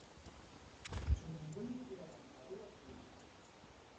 موندلو کي يې همکاري وکړئ